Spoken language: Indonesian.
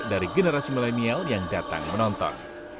dari generasi milenial yang datang menonton